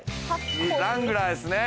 ラングラーですね。